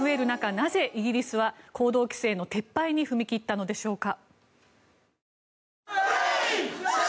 なぜ、イギリスは行動規制の撤廃に踏み切ったのでしょうか。